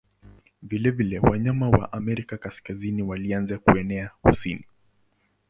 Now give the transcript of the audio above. Vilevile wanyama wa Amerika Kaskazini walianza kuenea kusini.